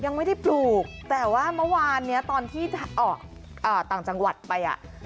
ยังไม่ได้ปลูกแต่ว่าเมื่อวานเนี้ยตอนที่จะออกต่างจังหวัดไปอ่ะ